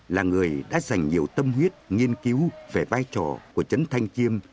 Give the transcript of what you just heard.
là người đã dành nhiều tâm huyết nghiên cứu về vai trò của trấn thanh chiêm